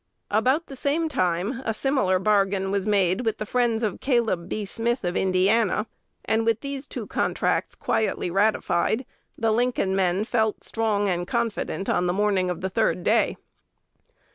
About the same time a similar bargain was made with the friends of Caleb B. Smith of Indiana; and with these two contracts quietly ratified, the Lincoln men felt strong and confident on the morning of the third day.